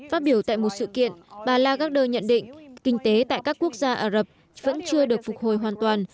phát biểu tại một sự kiện bà lagarder nhận định kinh tế tại các quốc gia ả rập vẫn chưa được phục hồi hoàn toàn